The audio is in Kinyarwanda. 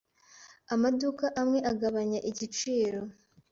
Amaduka amwe agabanya igiciro.